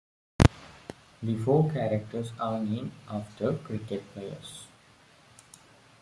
The four characters are named after cricket players.